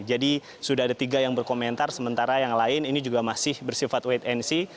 jadi sudah ada tiga yang berkomentar sementara yang lain ini juga masih bersifat wait and see